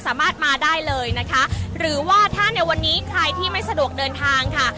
สามารถมาได้เลยนะคะหรือว่าถ้าในวันนี้ใครที่ไม่สะดวกเดินทางค่ะ